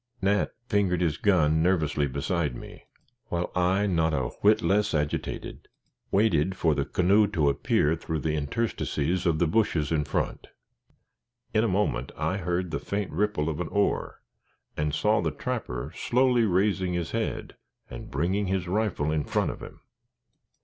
Nat fingered his gun nervously beside me, while I, not a whit less agitated, waited for the canoe to appear through the interstices of the bushes in front. In a moment, I heard the faint ripple of an oar, and saw the trapper slowly raising his head and bringing his rifle in front of him.